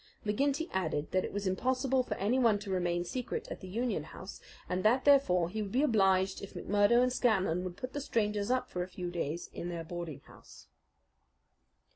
McGinty added that it was impossible for anyone to remain secret at the Union House, and that, therefore, he would be obliged if McMurdo and Scanlan would put the strangers up for a few days in their boarding house.